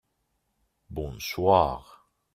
Bonsoir !